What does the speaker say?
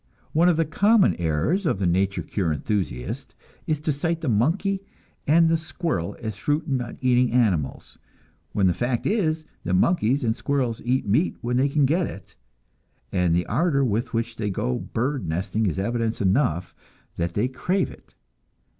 One of the common errors of the nature cure enthusiast is to cite the monkey and the squirrel as fruit and nut eating animals, when the fact is that monkeys and squirrels eat meat when they can get it, and the ardor with which they go bird nesting is evidence enough that they crave it.